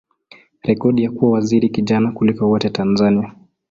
rekodi ya kuwa waziri kijana kuliko wote Tanzania.